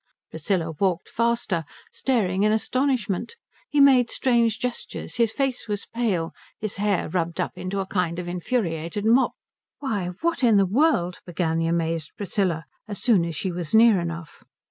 Priscilla walked faster, staring in astonishment. He made strange gestures, his face was pale, his hair rubbed up into a kind of infuriated mop. "Why, what in the world " began the amazed Priscilla, as soon as she was near enough.